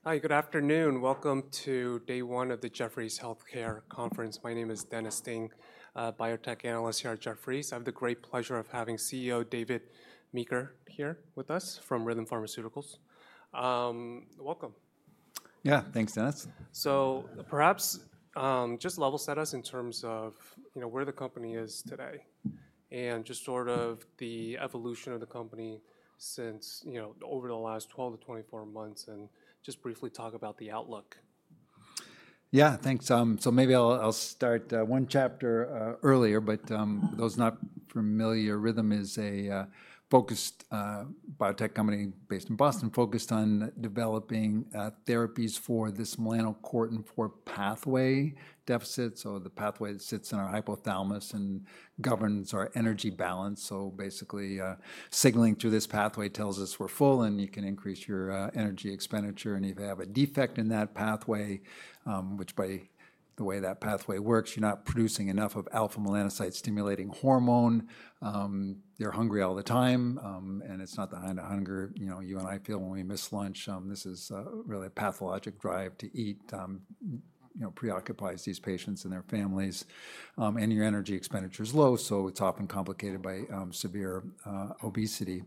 Okay. Yeah, good. Hi, good afternoon. Welcome to day one of the Jefferies Healthcare Conference. My name is Dennis Ding, Biotech Analyst here at Jefferies. I have the great pleasure of having CEO David Meeker here with us from Rhythm Pharmaceuticals. Welcome. Yeah, thanks, Dennis. Perhaps just level set us in terms of where the company is today and just sort of the evolution of the company since over the last 12 monhts-24 months and just briefly talk about the outlook. Yeah, thanks. Maybe I'll start one chapter earlier, but for those not familiar, Rhythm is a focused biotech company based in Boston focused on developing therapies for this melanocortin-4 pathway deficit. The pathway that sits in our hypothalamus and governs our energy balance. Basically, signaling through this pathway tells us we're full and you can increase your energy expenditure. If you have a defect in that pathway, which by the way that pathway works, you're not producing enough of alpha melanocyte stimulating hormone. You're hungry all the time. It's not the kind of hunger you and I feel when we miss lunch. This is really a pathologic drive to eat preoccupies these patients and their families. Your energy expenditure is low, so it's often complicated by severe obesity.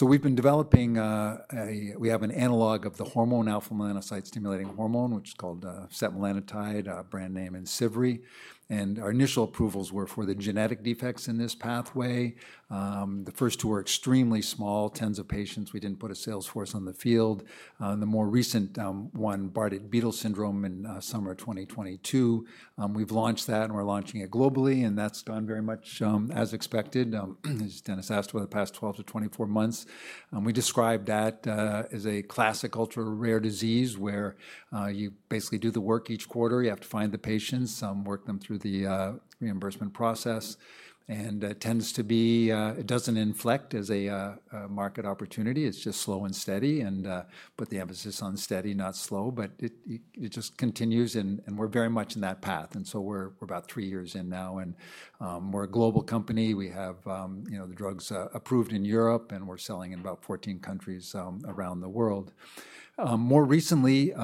We've been developing a—we have an analog of the hormone alpha melanocyte stimulating hormone, which is called setmelanotide, brand name IMCIVREE. Our initial approvals were for the genetic defects in this pathway. The first two were extremely small, tens of patients. We did not put a sales force on the field. The more recent one, Bardet-Biedl syndrome in summer 2022, we've launched that and we're launching it globally. That has done very much as expected, as Dennis asked, over the past 12 months-24 months. We described that as a classic ultra rare disease where you basically do the work each quarter. You have to find the patients, work them through the reimbursement process. It tends to be—it does not inflect as a market opportunity. It is just slow and steady. Put the emphasis on steady, not slow, but it just continues. We are very much in that path. We're about three years in now. We're a global company. We have the drugs approved in Europe, and we're selling in about 14 countries around the world. More recently,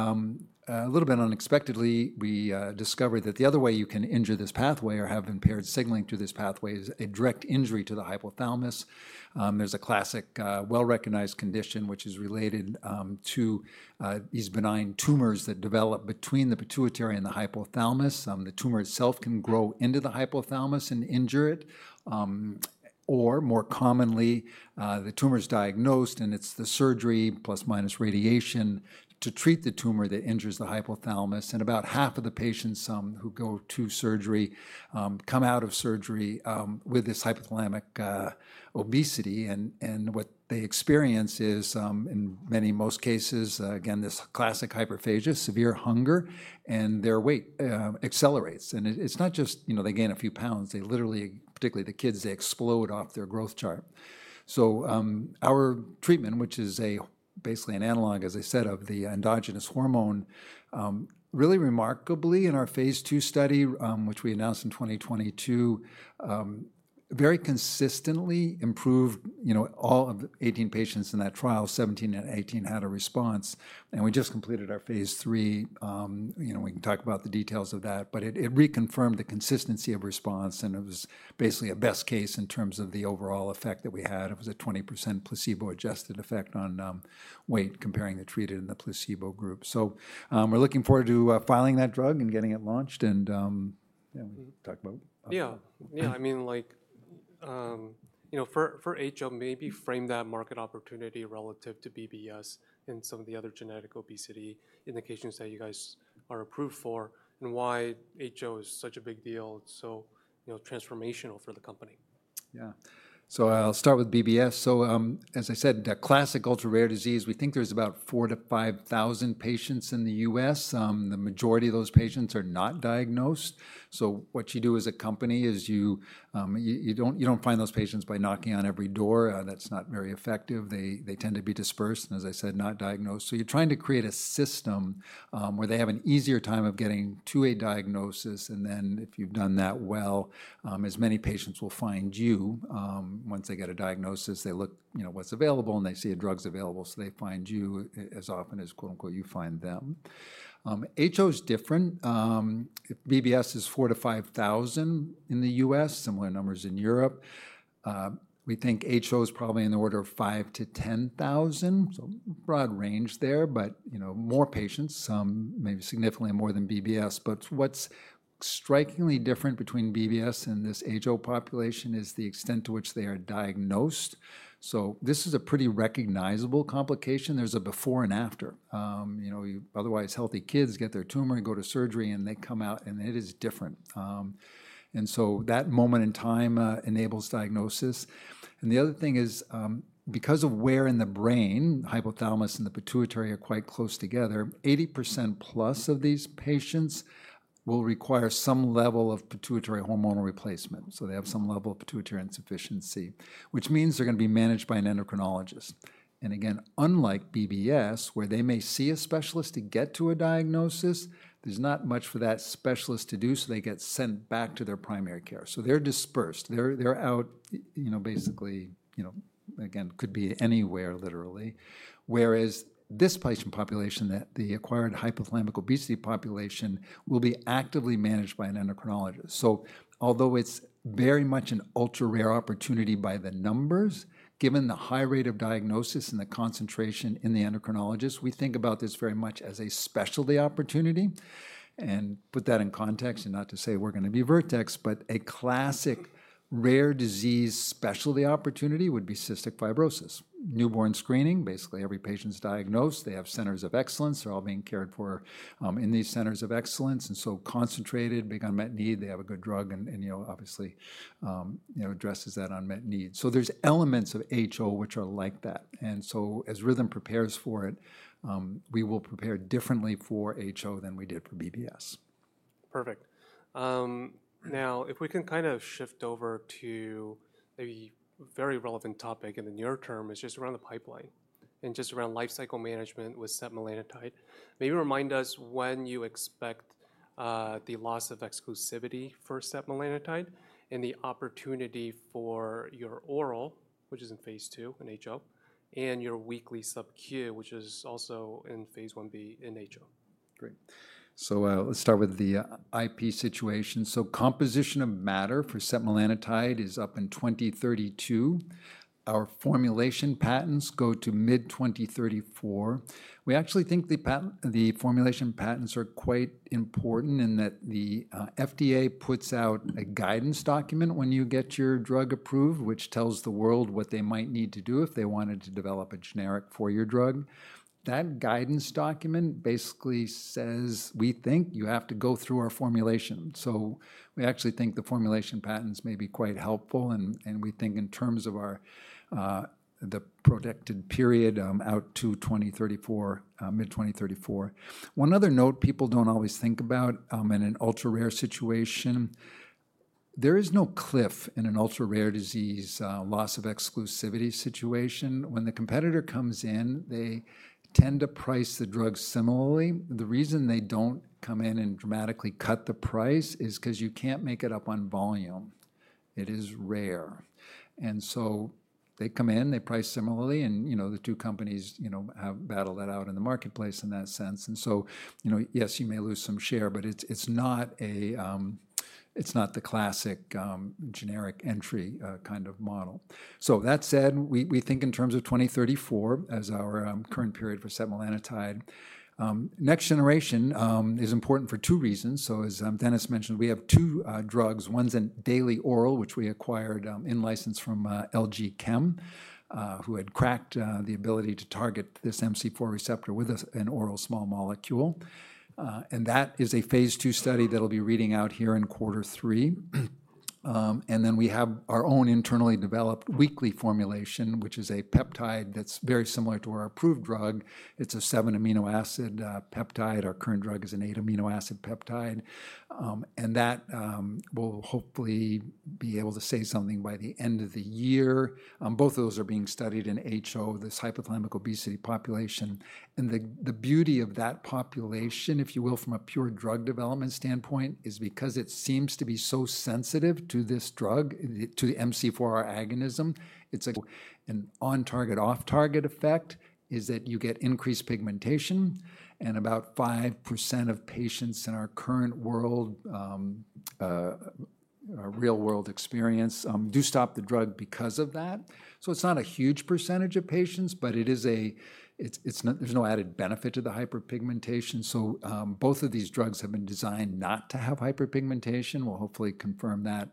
a little bit unexpectedly, we discovered that the other way you can injure this pathway or have impaired signaling through this pathway is a direct injury to the hypothalamus. There's a classic, well-recognized condition which is related to these benign tumors that develop between the pituitary and the hypothalamus. The tumor itself can grow into the hypothalamus and injure it. More commonly, the tumor's diagnosed and it's the surgery plus minus radiation to treat the tumor that injures the hypothalamus. About half of the patients who go to surgery come out of surgery with this hypothalamic obesity. What they experience is, in many most cases, again, this classic hyperphagia, severe hunger, and their weight accelerates. It is not just they gain a few pounds. They literally, particularly the kids, explode off their growth chart. Our treatment, which is basically an analog, as I said, of the endogenous hormone, really remarkably in our phase II study, which we announced in 2022, very consistently improved all of the 18 patients in that trial, 17 of 18 had a response. We just completed our phase III. We can talk about the details of that, but it reconfirmed the consistency of response. It was basically a best case in terms of the overall effect that we had. It was a 20% placebo-adjusted effect on weight comparing the treated and the placebo group. We are looking forward to filing that drug and getting it launched. We talk about. Yeah. Yeah. I mean, for HO, maybe frame that market opportunity relative to BBS and some of the other genetic obesity indications that you guys are approved for and why HO is such a big deal. It's so transformational for the company. Yeah. I'll start with BBS. As I said, classic ultra rare disease, we think there's about 4,000-5,000 patients in the U.S. The majority of those patients are not diagnosed. What you do as a company is you do not find those patients by knocking on every door. That's not very effective. They tend to be dispersed. As I said, not diagnosed. You're trying to create a system where they have an easier time of getting to a diagnosis. If you've done that well, as many patients will find you once they get a diagnosis, they look what's available and they see drugs available. They find you as often as you find them. HO is different. BBS is 4,000-5,000 in the U.S., similar numbers in Europe. We think HO is probably in the order of 5,000-10,000. Broad range there, but more patients, some maybe significantly more than BBS. What is strikingly different between BBS and this HO population is the extent to which they are diagnosed. This is a pretty recognizable complication. There is a before and after. Otherwise, healthy kids get their tumor and go to surgery and they come out and it is different. That moment in time enables diagnosis. The other thing is because of where in the brain, hypothalamus and the pituitary are quite close together, 80%+ of these patients will require some level of pituitary hormonal replacement. They have some level of pituitary insufficiency, which means they are going to be managed by an endocrinologist. Again, unlike BBS, where they may see a specialist to get to a diagnosis, there is not much for that specialist to do. They get sent back to their primary care. They're dispersed. They're out basically, again, could be anywhere literally. Whereas this patient population, the acquired hypothalamic obesity population, will be actively managed by an endocrinologist. Although it's very much an ultra rare opportunity by the numbers, given the high rate of diagnosis and the concentration in the endocrinologist, we think about this very much as a specialty opportunity. Put that in context and not to say we're going to be Vertex, but a classic rare disease specialty opportunity would be cystic fibrosis. Newborn screening, basically every patient's diagnosed, they have centers of excellence. They're all being cared for in these centers of excellence. Concentrated, big unmet need, they have a good drug and obviously addresses that unmet need. There are elements of HO which are like that. As Rhythm prepares for it, we will prepare differently for HO than we did for BBS. Perfect. Now, if we can kind of shift over to a very relevant topic in the near term is just around the pipeline and just around lifecycle management with setmelanotide. Maybe remind us when you expect the loss of exclusivity for setmelanotide and the opportunity for your oral, which is in phase II in HO, and your weekly Sub-Q, which is also in phase I B in HO. Great. Let's start with the IP situation. Composition of matter for setmelanotide is up in 2032. Our formulation patents go to mid-2034. We actually think the formulation patents are quite important in that the FDA puts out a guidance document when you get your drug approved, which tells the world what they might need to do if they wanted to develop a generic for your drug. That guidance document basically says, we think you have to go through our formulation. We actually think the formulation patents may be quite helpful. We think in terms of the protected period out to mid-2034. One other note people do not always think about in an ultra-rare situation, there is no cliff in an ultra rare disease loss of exclusivity situation. When the competitor comes in, they tend to price the drug similarly. The reason they don't come in and dramatically cut the price is because you can't make it up on volume. It is rare. They come in, they price similarly, and the two companies have battled that out in the marketplace in that sense. Yes, you may lose some share, but it's not the classic generic entry kind of model. That said, we think in terms of 2034 as our current period for setmelanotide, next generation is important for two reasons. As Dennis mentioned, we have two drugs. One's in daily oral, which we acquired in license from LG Chem, who had cracked the ability to target this MC4 receptor with an oral small molecule. That is a phase II study that'll be reading out here in quarter three. We have our own internally developed weekly formulation, which is a peptide that's very similar to our approved drug. It's a seven amino acid peptide. Our current drug is an eight amino acid peptide. That will hopefully be able to say something by the end of the year. Both of those are being studied in HO, this hypothalamic obesity population. The beauty of that population, if you will, from a pure drug development standpoint, is because it seems to be so sensitive to this drug, to the MC4 agonism. It's an on-target, off-target effect is that you get increased pigmentation. About 5% of patients in our current real world experience do stop the drug because of that. It's not a huge percentage of patients, but there's no added benefit to the hyperpigmentation. Both of these drugs have been designed not to have hyperpigmentation. We'll hopefully confirm that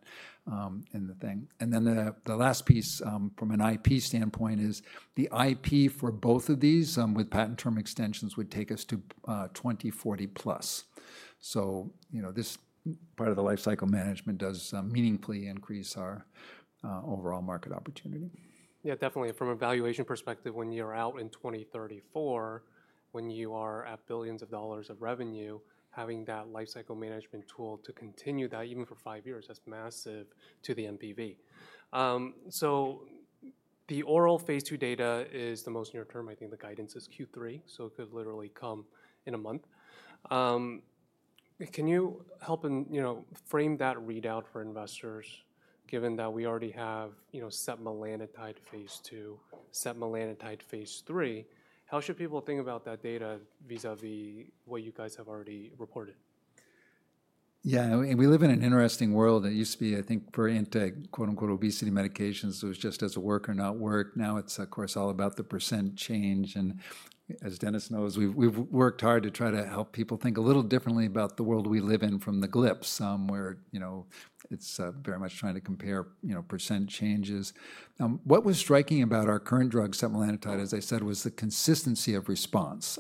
in the thing. The last piece from an IP standpoint is the IP for both of these with patent term extensions would take us to 2040 plus. This part of the lifecycle management does meaningfully increase our overall market opportunity. Yeah, definitely. From a valuation perspective, when you're out in 2034, when you are at billions of dollars of revenue, having that lifecycle management tool to continue that even for five years is massive to the MPV. So the oral phase II data is the most near term. I think the guidance is Q3. It could literally come in a month. Can you help frame that readout for investors, given that we already have setmelanotide phase II, setmelanotide phase III? How should people think about that data vis-à-vis what you guys have already reported? Yeah. We live in an interesting world. It used to be, I think, brilliant to quote-unquote obesity medications. It was just does it work or not work. Now it's, of course, all about the percent change. And as Dennis knows, we've worked hard to try to help people think a little differently about the world we live in from the GLPs, where it's very much trying to compare percent changes. What was striking about our current drug, setmelanotide, as I said, was the consistency of response.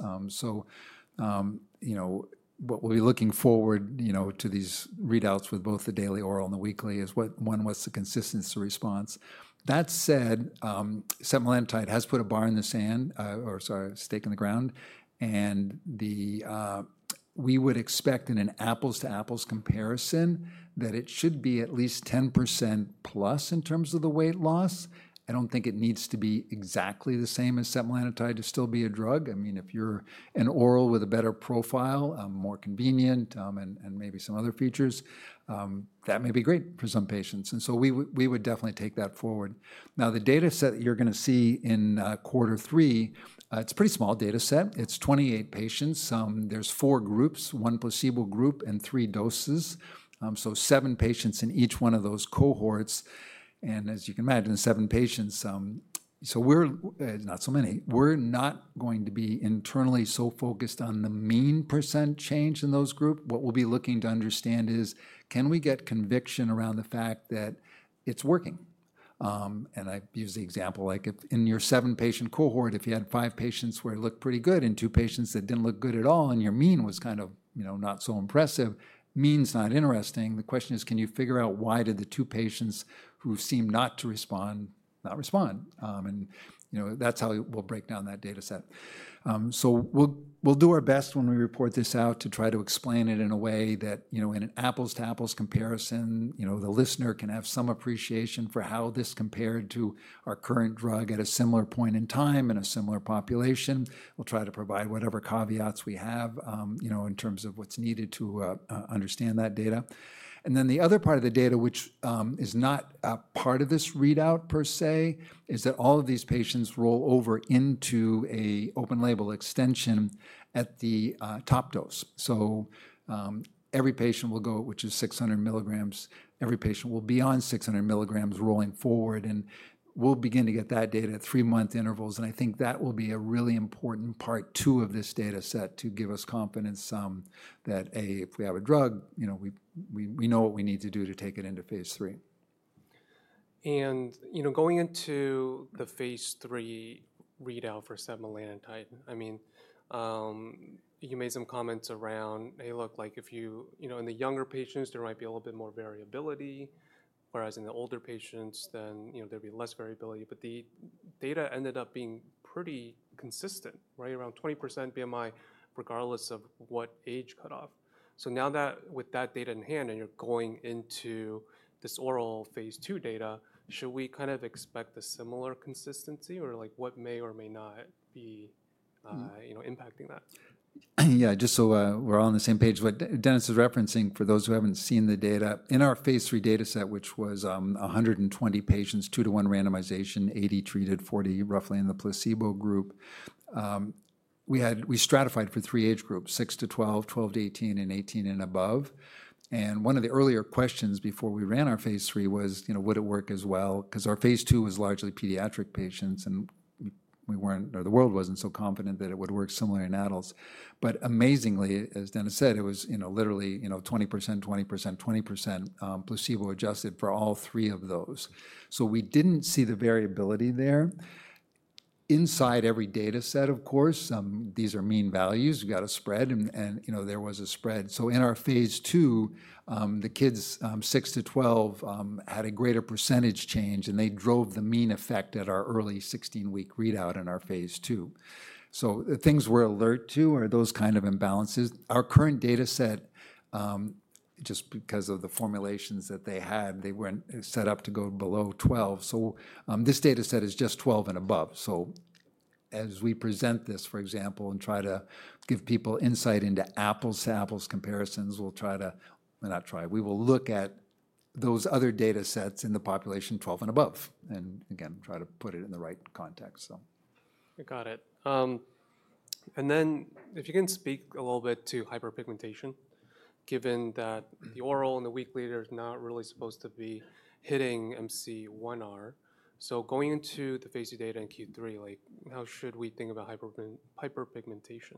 What we'll be looking forward to with these readouts with both the daily oral and the weekly is, one, what's the consistency of response? That said, setmelanotide has put a bar in the sand or a stake in the ground. We would expect in an apples-to-apples comparison that it should be at least 10%+ in terms of the weight loss. I don't think it needs to be exactly the same as setmelanotide to still be a drug. I mean, if you're an oral with a better profile, more convenient, and maybe some other features, that may be great for some patients. We would definitely take that forward. Now, the data set that you're going to see in quarter three, it's a pretty small data set. It's 28 patients. There are four groups, one placebo group and three doses. Seven patients in each one of those cohorts. As you can imagine, seven patients, not so many. We're not going to be internally so focused on the mean percent change in those groups. What we'll be looking to understand is, can we get conviction around the fact that it's working? I use the example like if in your seven patient cohort, if you had five patients where it looked pretty good and two patients that did not look good at all and your mean was kind of not so impressive, mean's not interesting. The question is, can you figure out why did the two patients who seem not to respond not respond? That is how we will break down that data set. We will do our best when we report this out to try to explain it in a way that in an apples-to-apples comparison, the listener can have some appreciation for how this compared to our current drug at a similar point in time in a similar population. We will try to provide whatever caveats we have in terms of what is needed to understand that data. The other part of the data, which is not a part of this readout per se, is that all of these patients roll over into an open label extension at the top dose. Every patient will go, which is 600 mg. Every patient will be on 600 mg rolling forward. We'll begin to get that data at three-month intervals. I think that will be a really important part two of this data set to give us confidence that if we have a drug, we know what we need to do to take it into phase III. Going into the phase III readout for setmelanotide, I mean, you made some comments around, hey, look, like if you in the younger patients, there might be a little bit more variability, whereas in the older patients, there would be less variability. The data ended up being pretty consistent, right? Around 20% BMI, regardless of what age cutoff. Now that with that data in hand and you're going into this oral phase II data, should we kind of expect a similar consistency or what may or may not be impacting that? Yeah, just so we're all on the same page, what Dennis is referencing for those who haven't seen the data, in our phase III data set, which was 120 patients, two-to-one randomization, 80 treated, 40 roughly in the placebo group, we stratified for three age groups, 6-12, 12-18, and 18 and above. One of the earlier questions before we ran our phase III was, would it work as well? Because our phase II was largely pediatric patients and the world wasn't so confident that it would work similarly in adults. Amazingly, as Dennis said, it was literally 20%, 20%, 20% placebo adjusted for all three of those. We didn't see the variability there. Inside every data set, of course, these are mean values. You've got a spread and there was a spread. In our phase II, the kids 6-12 had a greater percentage change and they drove the mean effect at our early 16-week readout in our phase II. Things we're alert to are those kind of imbalances. Our current data set, just because of the formulations that they had, they weren't set up to go below 12. This data set is just 12 and above. As we present this, for example, and try to give people insight into apples-to-apples comparisons, we'll try to, not try, we will look at those other data sets in the population 12 and above and again, try to put it in the right context. Got it. If you can speak a little bit to hyperpigmentation, given that the oral and the weekly are not really supposed to be hitting MC1R. Going into the phase II data in Q3, how should we think about hyperpigmentation?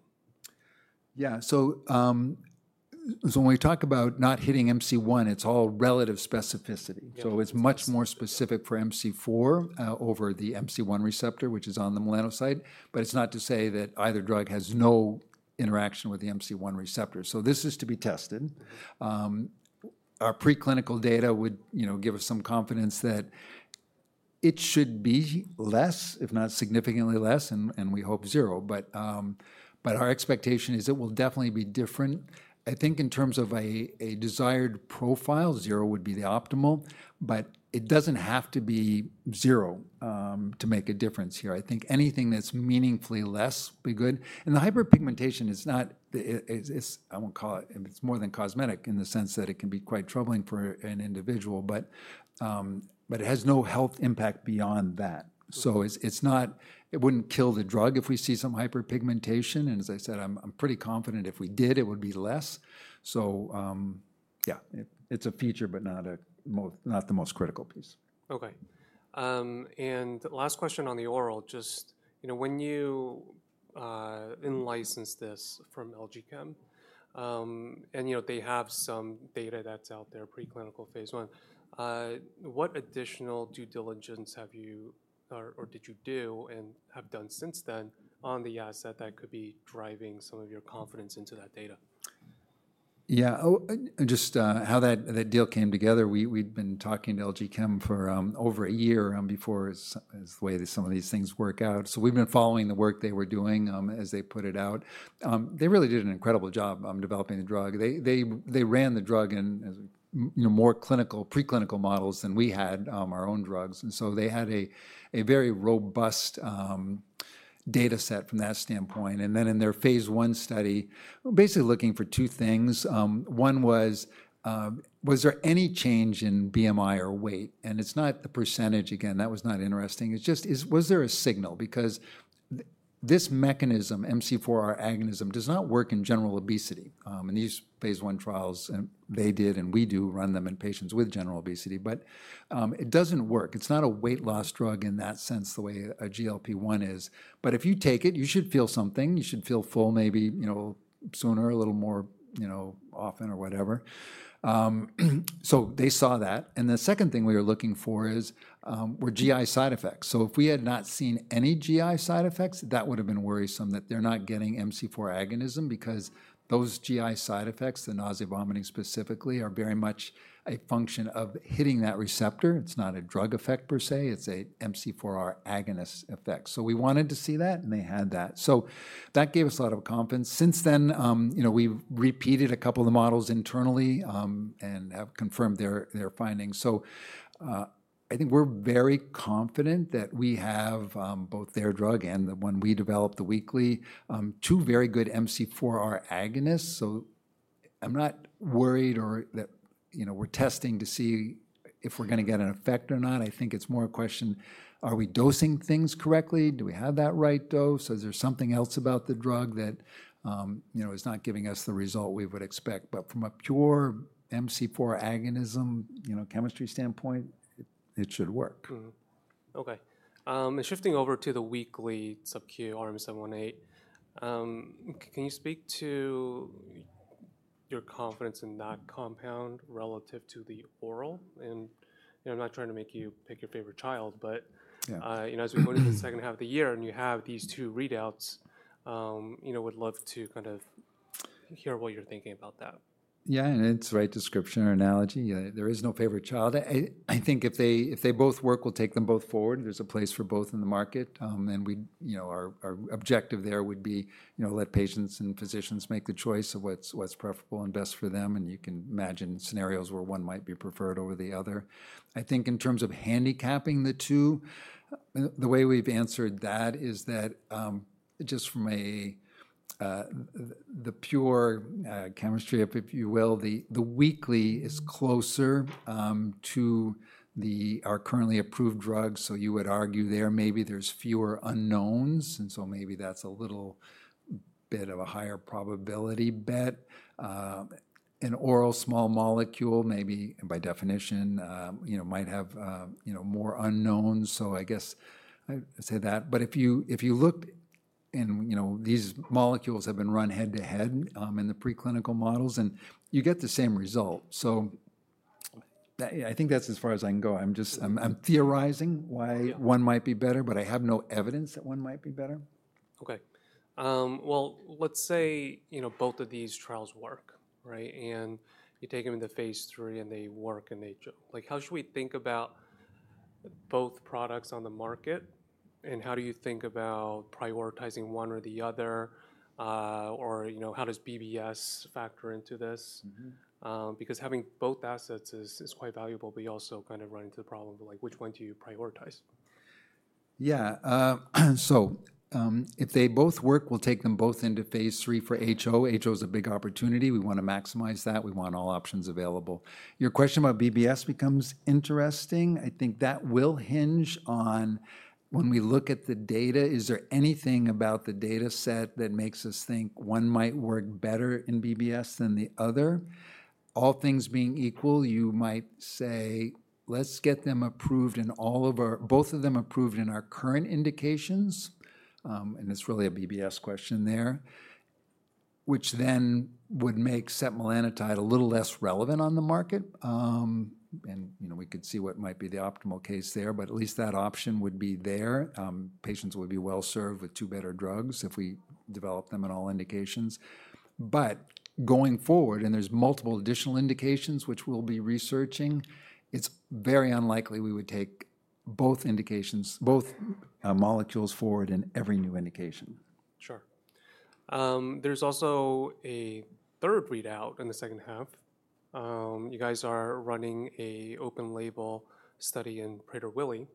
Yeah. So when we talk about not hitting MC1, it's all relative specificity. So it's much more specific for MC4 over the MC1 receptor, which is on the melanocyte. But it's not to say that either drug has no interaction with the MC1 receptor. This is to be tested. Our preclinical data would give us some confidence that it should be less, if not significantly less, and we hope zero. Our expectation is it will definitely be different. I think in terms of a desired profile, zero would be the optimal, but it doesn't have to be zero to make a difference here. I think anything that's meaningfully less would be good. The hyperpigmentation is not, I won't call it, it's more than cosmetic in the sense that it can be quite troubling for an individual, but it has no health impact beyond that. It would not kill the drug if we see some hyperpigmentation. As I said, I am pretty confident if we did, it would be less. Yeah, it is a feature, but not the most critical piece. Okay. Last question on the oral, just when you licensed this from LG Chem, and they have some data that's out there, preclinical phase I, what additional due diligence have you or did you do and have done since then on the asset that could be driving some of your confidence into that data? Yeah. Just how that deal came together, we'd been talking to LG Chem for over a year before the way that some of these things work out. We've been following the work they were doing as they put it out. They really did an incredible job developing the drug. They ran the drug in more preclinical models than we had our own drugs. They had a very robust data set from that standpoint. In their phase I study, basically looking for two things. One was, was there any change in BMI or weight? It's not the %, again, that was not interesting. It's just, was there a signal? Because this mechanism, MC4R agonism, does not work in general obesity. In these phase I trials, they did and we do run them in patients with general obesity, but it doesn't work. It's not a weight loss drug in that sense the way a GLP-1 is. If you take it, you should feel something. You should feel full maybe sooner, a little more often or whatever. They saw that. The second thing we were looking for is were GI side effects. If we had not seen any GI side effects, that would have been worrisome that they're not getting MC4 agonism because those GI side effects, the nausea, vomiting specifically, are very much a function of hitting that receptor. It's not a drug effect per se. It's an MC4R agonist effect. We wanted to see that and they had that. That gave us a lot of confidence. Since then, we've repeated a couple of the models internally and have confirmed their findings. I think we're very confident that we have both their drug and the one we developed, the weekly, two very good MC4R agonists. I'm not worried or that we're testing to see if we're going to get an effect or not. I think it's more a question, are we dosing things correctly? Do we have that right dose? Is there something else about the drug that is not giving us the result we would expect? From a pure MC4 agonism chemistry standpoint, it should work. Okay. And shifting over to the weekly Sub-Q RM-718, can you speak to your confidence in that compound relative to the oral? And I'm not trying to make you pick your favorite child, but as we go into the second half of the year and you have these two readouts, would love to kind of hear what you're thinking about that. Yeah, and it is a right description or analogy. There is no favorite child. I think if they both work, we will take them both forward. There is a place for both in the market. Our objective there would be to let patients and physicians make the choice of what is preferable and best for them. You can imagine scenarios where one might be preferred over the other. I think in terms of handicapping the two, the way we have answered that is that just from the pure chemistry, if you will, the weekly is closer to our currently approved drug. You would argue there maybe there are fewer unknowns, and so maybe that is a little bit of a higher probability bet. An oral small molecule maybe by definition might have more unknowns. I guess I say that. If you look and these molecules have been run head-to-head in the preclinical models and you get the same result. I think that's as far as I can go. I'm theorizing why one might be better, but I have no evidence that one might be better. Okay. Let's say both of these trials work, right? You take them into phase III and they work and they jump. How should we think about both products on the market? How do you think about prioritizing one or the other? How does BBS factor into this? Because having both assets is quite valuable, but you also kind of run into the problem of which one do you prioritize? Yeah. If they both work, we'll take them both into phase III for HO. HO is a big opportunity. We want to maximize that. We want all options available. Your question about BBS becomes interesting. I think that will hinge on when we look at the data, is there anything about the data set that makes us think one might work better in BBS than the other? All things being equal, you might say, let's get them approved in all of our, both of them approved in our current indications. It is really a BBS question there, which then would make setmelanotide a little less relevant on the market. We could see what might be the optimal case there, but at least that option would be there. Patients would be well served with two better drugs if we develop them in all indications. Going forward, and there's multiple additional indications which we'll be researching, it's very unlikely we would take both molecules forward in every new indication. Sure. There's also a third readout in the second half. You guys are running an open label study in Prader-Willi.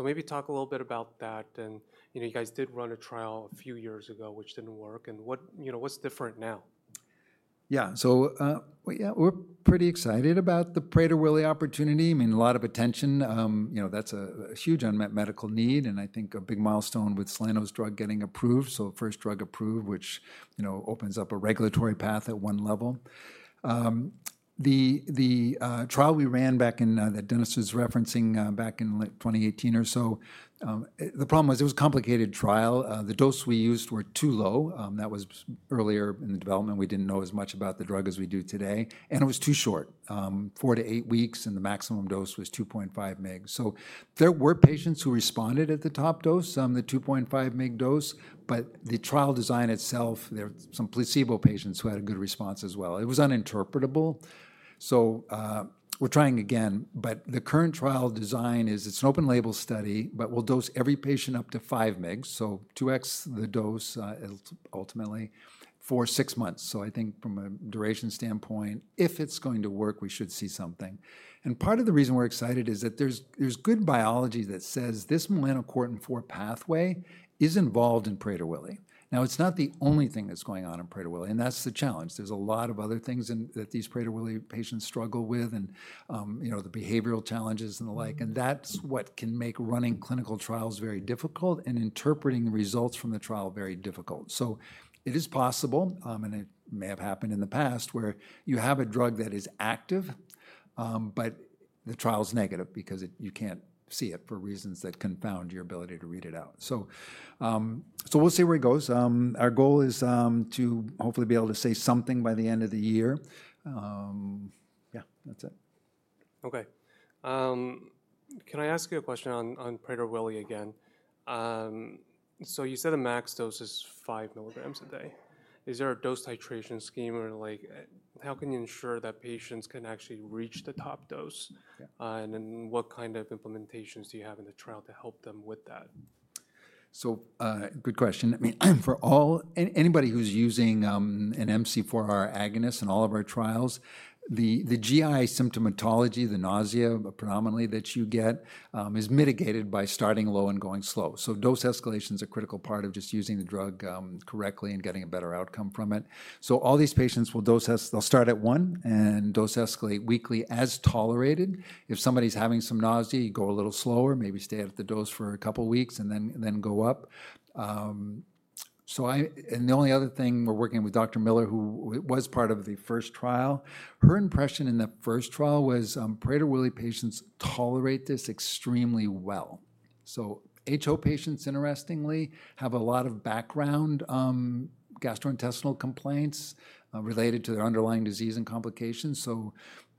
Maybe talk a little bit about that. You guys did run a trial a few years ago, which didn't work. What's different now? Yeah. So yeah, we're pretty excited about the Prader-Willi opportunity. I mean, a lot of attention. That's a huge unmet medical need. I think a big milestone with Soleno's drug getting approved. First drug approved, which opens up a regulatory path at one level. The trial we ran back in that Dennis was referencing back in 2018 or so, the problem was it was a complicated trial. The dose we used were too low. That was earlier in the development. We didn't know as much about the drug as we do today. It was too short, four to eight weeks, and the maximum dose was 2.5 mg. There were patients who responded at the top dose, the 2.5 mg dose, but the trial design itself, there were some placebo patients who had a good response as well. It was uninterpretable. We're trying again, but the current trial design is it's an open label study, but we'll dose every patient up to 5 mg, so 2x the dose ultimately for six months. I think from a duration standpoint, if it's going to work, we should see something. Part of the reason we're excited is that there's good biology that says this melanocortin-4 pathway is involved in Prader-Willi. Now, it's not the only thing that's going on in Prader-Willi, and that's the challenge. There are a lot of other things that these Prader-Willi patients struggle with and the behavioral challenges and the like. That's what can make running clinical trials very difficult and interpreting the results from the trial very difficult. It is possible, and it may have happened in the past, where you have a drug that is active, but the trial's negative because you can't see it for reasons that confound your ability to read it out. We'll see where it goes. Our goal is to hopefully be able to say something by the end of the year. Yeah, that's it. Okay. Can I ask you a question on Prader-Willi again? You said the max dose is 5 mg a day. Is there a dose titration scheme or how can you ensure that patients can actually reach the top dose? What kind of implementations do you have in the trial to help them with that? Good question. I mean, for anybody who's using an MC4R agonist in all of our trials, the GI symptomatology, the nausea predominantly that you get is mitigated by starting low and going slow. Dose escalation is a critical part of just using the drug correctly and getting a better outcome from it. All these patients will start at one and dose escalate weekly as tolerated. If somebody's having some nausea, you go a little slower, maybe stay at the dose for a couple of weeks and then go up. The only other thing, we're working with Dr. Miller, who was part of the first trial. Her impression in the first trial was Prader-Willi patients tolerate this extremely well. HO patients, interestingly, have a lot of background gastrointestinal complaints related to their underlying disease and complications.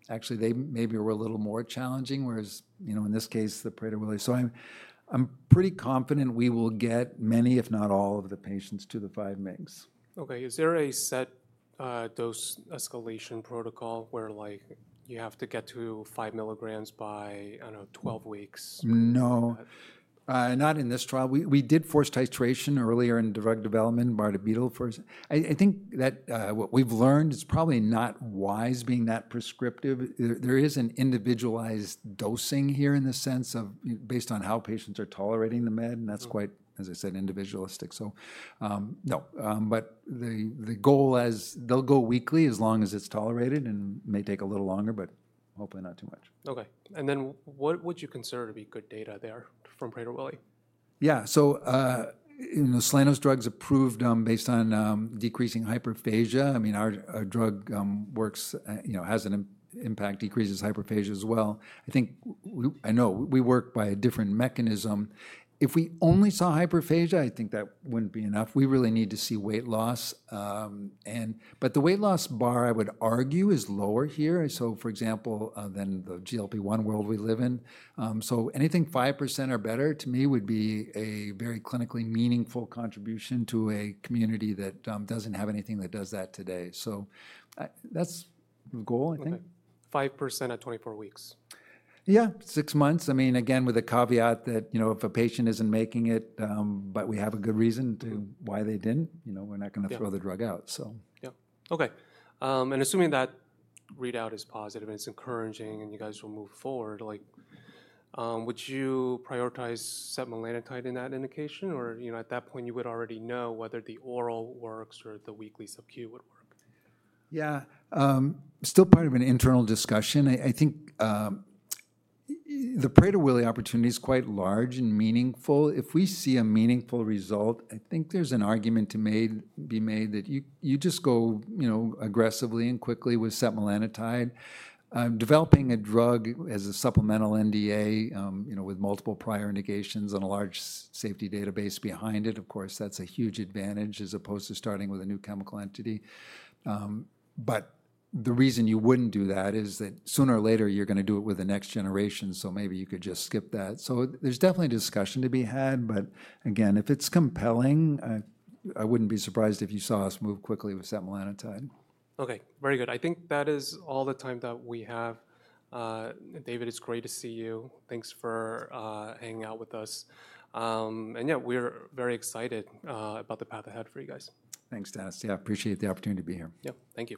Actually, they maybe were a little more challenging, whereas in this case, the Prader-Willi. I'm pretty confident we will get many, if not all, of the patients to the 5 mg. Okay. Is there a set dose escalation protocol where you have to get to 5 mg by 12 weeks? No. Not in this trial. We did force titration earlier in drug development by Myrtelle first. I think that what we've learned is probably not wise being that prescriptive. There is an individualized dosing here in the sense of based on how patients are tolerating the med. And that's quite, as I said, individualistic. No. The goal is they'll go weekly as long as it's tolerated and may take a little longer, but hopefully not too much. Okay. And then what would you consider to be good data there from Prader-Willi? Yeah. So Soleno's drug is approved based on decreasing hyperphagia. I mean, our drug works, has an impact, decreases hyperphagia as well. I know we work by a different mechanism. If we only saw hyperphagia, I think that would not be enough. We really need to see weight loss. The weight loss bar, I would argue, is lower here. For example, than the GLP-1 world we live in. Anything 5% or better to me would be a very clinically meaningful contribution to a community that does not have anything that does that today. That is the goal, I think. 5% at 24 weeks. Yeah, six months. I mean, again, with a caveat that if a patient isn't making it, but we have a good reason to why they didn't, we're not going to throw the drug out, so. Yeah. Okay. Assuming that readout is positive and it's encouraging and you guys will move forward, would you prioritize setmelanotide in that indication? Or at that point, you would already know whether the oral works or the weekly Sub-Q would work? Yeah. Still part of an internal discussion. I think the Prader-Willi opportunity is quite large and meaningful. If we see a meaningful result, I think there's an argument to be made that you just go aggressively and quickly with setmelanotide. Developing a drug as a supplemental NDA with multiple prior indications and a large safety database behind it, of course, that's a huge advantage as opposed to starting with a new chemical entity. The reason you wouldn't do that is that sooner or later, you're going to do it with the next generation, so maybe you could just skip that. There's definitely discussion to be had. Again, if it's compelling, I wouldn't be surprised if you saw us move quickly with setmelanotide. Okay. Very good. I think that is all the time that we have. David, it's great to see you. Thanks for hanging out with us. Yeah, we're very excited about the path ahead for you guys. Thanks, Dennis. Yeah, appreciate the opportunity to be here. Yeah. Thank you.